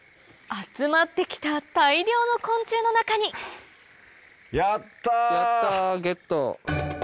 集まって来た大量の昆虫の中にやったゲット！